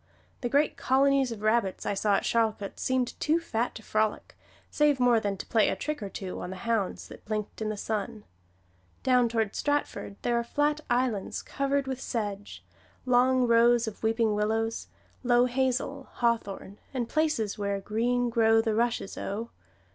The great colonies of rabbits that I saw at Charlcote seemed too fat to frolic, save more than to play a trick or two on the hounds that blinked in the sun. Down toward Stratford there are flat islands covered with sedge, long rows of weeping willows, low hazel, hawthorn, and places where "Green Grow the Rushes, O."